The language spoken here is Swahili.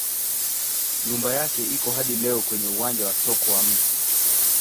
Nyumba yake iko hadi leo kwenye uwanja wa soko wa mji.